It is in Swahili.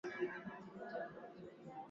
Shangazi alipika mboga.